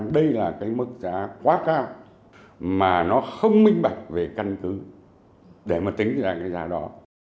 đây là cái mức giá quá cao mà nó không minh bạch về căn cứ để mà tính ra cái giá đó